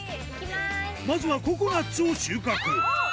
まずはココナッツを収穫。